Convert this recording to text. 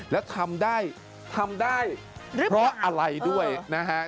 แล้วทำได้ทำได้เพราะอะไรด้วยนะฮะ